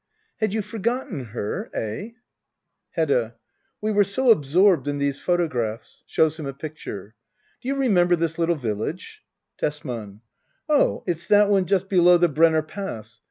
Had you forgotten her ? £h ? Hedda. We were so absorbed in these photographs. [Shows him a picture,] Do you remember this ittle village ? Tesman. Oh, it's that one just below the Brenner Pass.